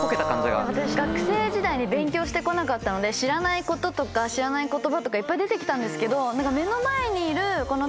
私学生時代に勉強して来なかったので知らないこととか知らない言葉とかいっぱい出て来たんですけど。